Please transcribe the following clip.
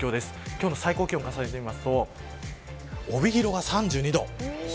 今日の最高気温を重ねてみますと帯広が３２度。